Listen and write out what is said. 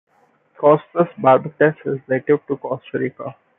"Costus barbatus" is native to Costa Rica.